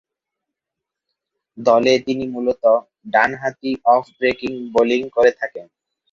দলে তিনি মূলতঃ ডানহাতি অফ ব্রেক বোলিং করে থাকেন।